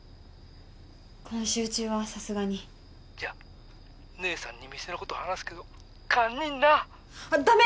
今週中はさすがに☎じゃあ☎姉さんに店のこと話すけど堪忍なあっダメ！